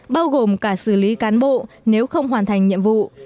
bao gồm cả xử lý cán bộ nếu không hoàn thành nhiệm vụ